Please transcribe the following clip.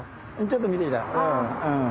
ちょっと見てきたうん。